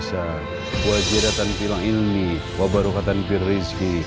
kalau begitu kamu masih adek supereguan